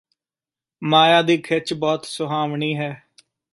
ਮਾਇਆ ਦੀ ਖਿੱਚ ਬਹੁਤ ਸੁਹਾਵਣੀ ਹੈ